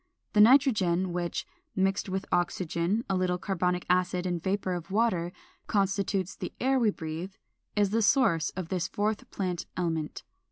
The nitrogen which, mixed with oxygen, a little carbonic acid, and vapor of water, constitutes the air we breathe, is the source of this fourth plant element.